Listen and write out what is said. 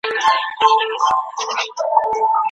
هغه د شینو چای په څښلو مصروفه دی.